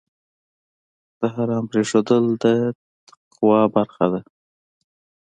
د حرام پرېښودل د تقوی برخه ده.